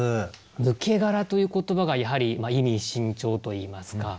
「抜け殻」という言葉がやはり意味深長といいますか。